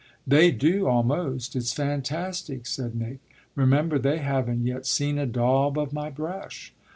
"They do, almost it's fantastic," said Nick. "Remember they haven't yet seen a daub of my brush."